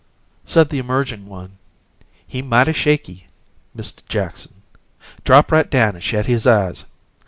Said the emerging one: "He mighty shaky, Mist' Jackson. Drop right down an' shet his eyes.